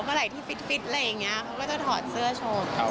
เมื่อไหร่ที่ฟิตอะไรอย่างนี้เขาก็จะถอดเสื้อชม